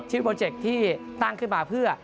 ชื่อโปรเจกต์ที่ตั้งขึ้นมาเพื่อ